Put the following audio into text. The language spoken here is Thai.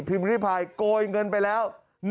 พิมพ์นิพายโกยเงินไปแล้ว